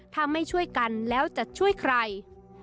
ถ้าไม่ช่วยกันแล้วจะช่วยใคร